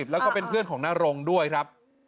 แล้วก็เป็นเพื่อนของนรงด้วยครับ